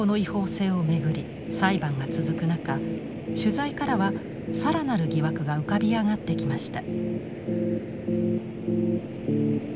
裁判が続く中取材からは更なる疑惑が浮かび上がってきました。